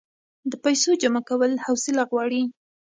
د پیسو جمع کول حوصله غواړي.